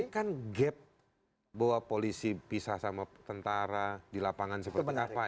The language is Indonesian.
ini kan gap bahwa polisi pisah sama tentara di lapangan seperti apa